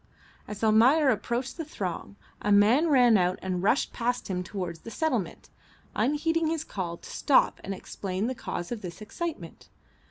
As Almayer approached the throng a man ran out and rushed past him towards the settlement, unheeding his call to stop and explain the cause of this excitement.